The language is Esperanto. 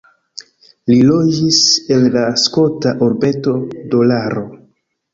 Li loĝis en la skota urbeto Dolaro.